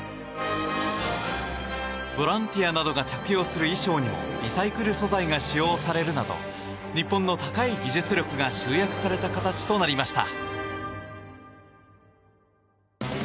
ボランティアなどが着用する衣装にもリサイクル素材が使用されるなど日本の高い技術力が集約された形となりました。